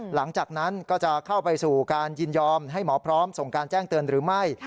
หลังจากนั้นก็จะเข้าไปสู่การยินยอมให้หมอพร้อมส่งการแจ้งเตือนหรือไม่